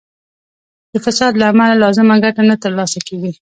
د فساد له امله لازمه ګټه نه تر لاسه کیږي.